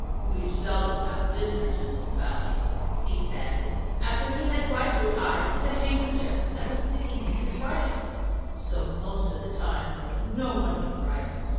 "We seldom have visitors in this Valley," he said, after he had wiped his eyes with a handkerchief that was sticking in his bridle, "so most of the time there is no one to ride us.